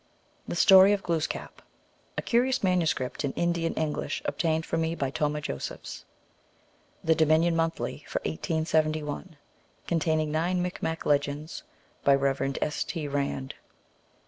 The Story of Glooskap. A curious manuscript in Indian Eng lish, obtained for me by Tomah Josephs. The Dominion Monthly for 1871. Containing nine Micmac le gends by Rev. S. T. Rand.